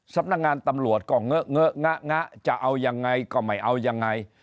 สำนักงานตำรวจก็เงอะเงอะงะงะจะเอายังไงก็ไม่เอายังไง